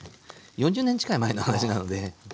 ４０年近い前の話なので。